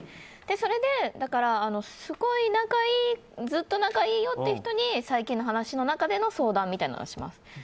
それで、ずっと仲いいよって人に最近の話の中での相談みたいなのはします。